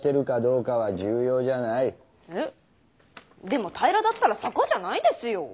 でも平らだったら坂じゃないですよォ。